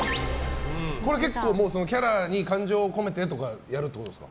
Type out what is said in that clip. これ、結構キャラに感情を込めてとかやるってことですか。